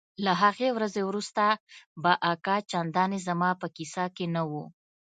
له هغې ورځې وروسته به اکا چندانې زما په کيسه کښې نه و.